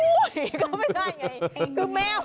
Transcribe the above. ก็ไม่ได้ไง